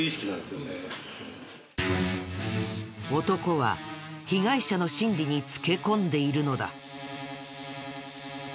男は被害者の心理につけ込んでいるのだ。